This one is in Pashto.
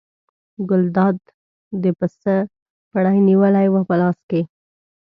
ګلداد د پسه پړی نیولی و په لاس کې.